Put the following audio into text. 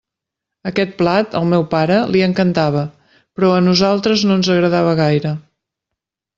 Aquest plat, al meu pare, li encantava, però a nosaltres no ens agradava gaire.